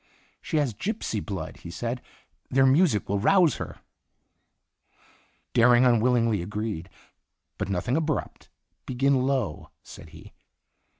Itinerant "She has gypsy blood," he said; "their music will rouse her." Dering unwillingly agreed. "But nothing abrupt begin low," said he.